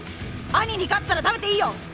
兄に勝ったら食べていいよ